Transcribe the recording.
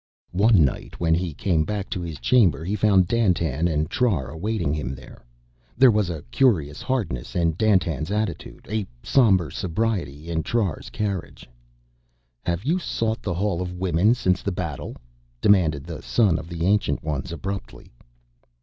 One night when he came back to his chamber he found Dandtan and Trar awaiting him there. There was a curious hardness in Dandtan's attitude, a somber sobriety in Trar's carriage. "Have you sought the Hall of Women since the battle?" demanded the son of the Ancient Ones abruptly.